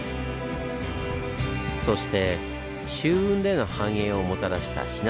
そして舟運での繁栄をもたらした信濃川。